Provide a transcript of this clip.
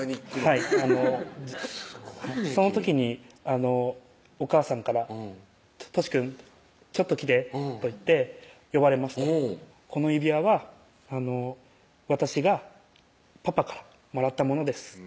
はいすごいね君その時におかあさんから「としくんちょっと来て」と言って呼ばれました「この指輪は私がパパからもらったものです」